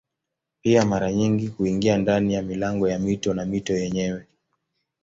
Pia mara nyingi huingia ndani ya milango ya mito na mito yenyewe.